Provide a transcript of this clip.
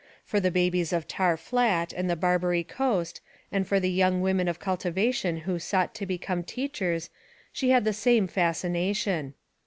For the babies of Tar Flat and the Barbary Coast and for the young women of cultivation who sought to become teachers she had the same fas cination.